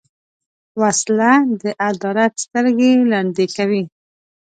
وسله د عدالت سترګې ړندې کوي